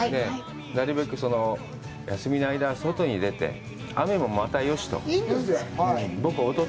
なるべく休みの間は外に出て、雨もまた、よしと。